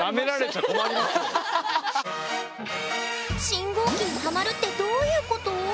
信号機にハマるってどういうこと？